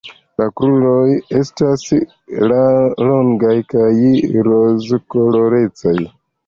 La kruroj estas longaj kaj rozkolorecaj.